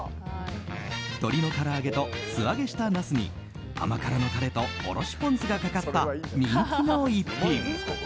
鶏のから揚げと素揚げしたナスに甘辛のタレとおろしポン酢がかかった人気の一品。